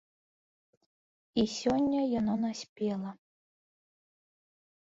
І сёння яно наспела.